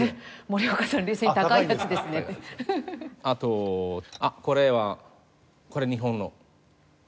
あとあっこれはこれ日本の。